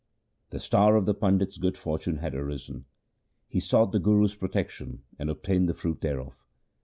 The star of the pandit's good fortune had arisen ; he sought the Guru's protection and obtained the fruit thereof.